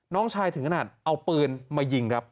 น้องชายถึงขนาดเอาปืนมายิงครับ